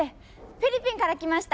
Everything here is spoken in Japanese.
フィリピンから来ました。